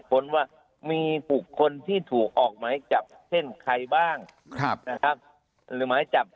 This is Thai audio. คนว่ามีบุคคลที่ถูกออกหมายจับเช่นใครบ้างนะครับหรือหมายจับ